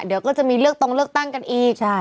เดี๋ยวก็จะมีเลือกตรงเลือกตั้งกันอีก